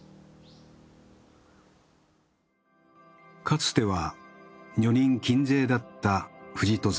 かつては女人禁制だった富士登山。